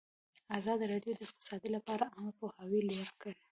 ازادي راډیو د اقتصاد لپاره عامه پوهاوي لوړ کړی.